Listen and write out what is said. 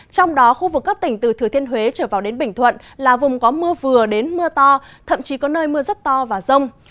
trong đó khu vực các tỉnh từ thừa thiên huế trở vào đến bình thuận là vùng có mưa vừa đến mưa to thậm chí có nơi mưa rất to và rông